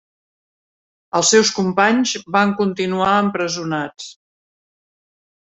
Els seus companys van continuar empresonats.